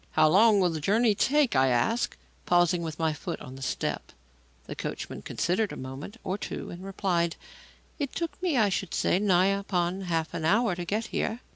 "How long will the journey take?" I asked, pausing with my foot on the step. The coachman considered a moment or two and replied: "It took me, I should say, nigh upon half an hour to get here."